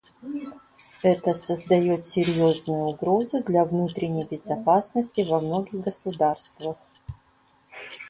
Это создает серьезную угрозу для внутренней безопасности во многих государствах.